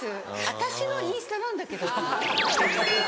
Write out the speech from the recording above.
私のインスタなんだけどっていう。